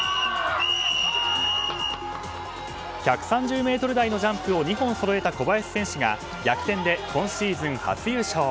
１３０ｍ台のジャンプを２本そろえた小林選手が逆転で今シーズン初優勝。